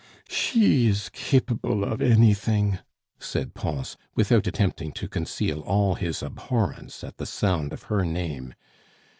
"She is capable of anything!" said Pons, without attempting to conceal all his abhorrence at the sound of her name.